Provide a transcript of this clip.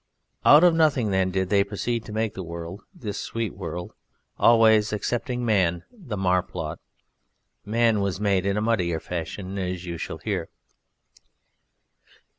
Out of Nothing then did they proceed to make the world, this sweet world, always excepting Man the Marplot. Man was made in a muddier fashion, as you shall hear.